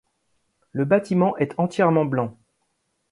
Le bâtiment est entièrement blanc.